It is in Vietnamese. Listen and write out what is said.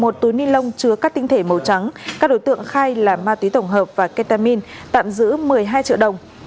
có chứa các tinh thể màu trắng các đối tượng khai là ma túy tổng hợp và ketamin tạm giữ một mươi hai triệu đồng